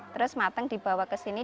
terus matang dibawa ke sini